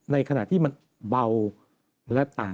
ในขณะที่มันเบาและต่าง